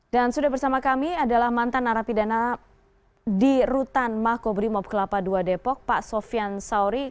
dan sudah bersama kami adalah mantan arapidana di rutan makobrimob kelapa dua depok pak sofian sauri